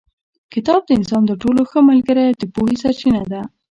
کتاب د انسان تر ټولو ښه ملګری او د پوهې سرچینه ده.